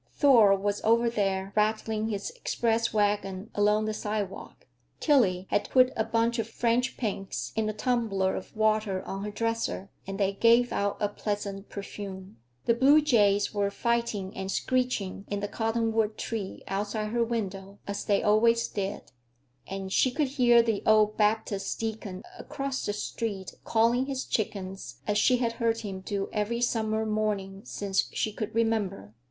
Thor was over there, rattling his express wagon along the sidewalk. Tillie had put a bunch of French pinks in a tumbler of water on her dresser, and they gave out a pleasant perfume. The blue jays were fighting and screeching in the cottonwood tree outside her window, as they always did, and she could hear the old Baptist deacon across the street calling his chickens, as she had heard him do every summer morning since she could remember.